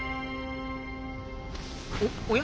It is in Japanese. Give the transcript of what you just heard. おおや？